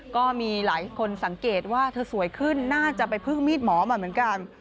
ก็มีหลายคนสังเกตว่าเธอสวยขึ้นน่าจะไปพึ่งมีดหมอมาเหมือนกัน